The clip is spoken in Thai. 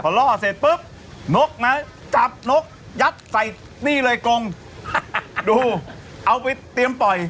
ล่อเสร็จปุ๊บนกนะจับนกยัดใส่นี่เลยกงดูเอาไปเตรียมปล่อย